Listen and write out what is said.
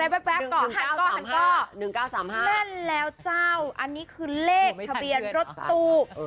แม่นแล้วเจ้าอันนี้คือเลขทะเบียนรถตู้